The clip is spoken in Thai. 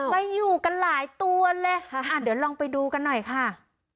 ไปอยู่กันหลายตัวเลยค่ะเดี๋ยวลองไปดูกันหน่อยค่ะ